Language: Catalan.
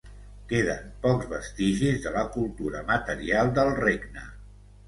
Queden pocs vestigis de la cultura material del regne.